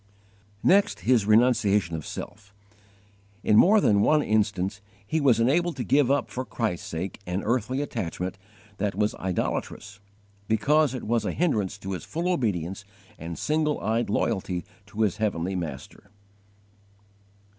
3. Next, his renunciation of self. In more than one instance he was enabled to give up for Christ's sake an earthly attachment that was idolatrous, because it was a hindrance to his full obedience and single eyed loyalty to his heavenly Master.